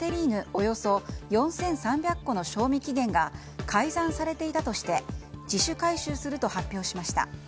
およそ４３００個の賞味期限が改ざんされていたとして自主回収すると発表しました。